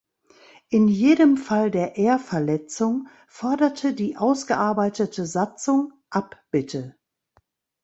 In jedem Fall der Ehrverletzung forderte die ausgearbeitete Satzung „Abbitte“.